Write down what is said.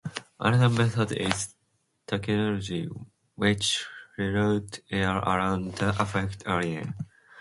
Another method is tracheotomy, which reroutes air around the affected area.